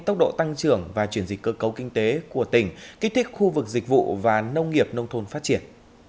tốc độ tăng trưởng và chuyển dịch cơ cấu kinh tế của tỉnh kích thích khu vực dịch vụ và nông nghiệp nông thôn phát triển